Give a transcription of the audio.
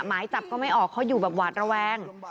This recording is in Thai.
หมายจับก็ไม่ออกเขาอยู่แบบหวาดระแวง